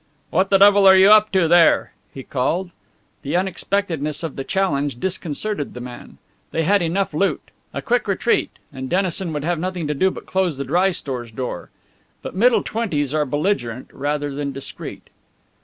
"What the devil are you up to there?" he called. The unexpectedness of the challenge disconcerted the men. They had enough loot. A quick retreat, and Dennison would have had nothing to do but close the dry stores door. But middle twenties are belligerent rather than discreet.